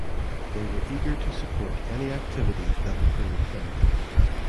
They were eager to support any activities that improved Tenby.